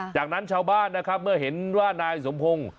จากนั้นชาวบ้านนะครับเมื่อเห็นว่านายสมพงศ์